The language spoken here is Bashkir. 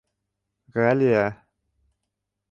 Ғәлиә: